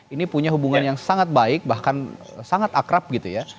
ini punya hubungan yang sangat baik bahkan sangat akrab gitu ya